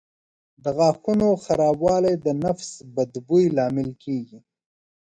د غاښونو خرابوالی د نفس بد بوی لامل کېږي.